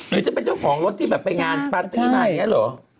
หรือจะเป็นเจ้าของรถที่แบบไปงานปาร์ตี้มาอย่างนี้เหรอ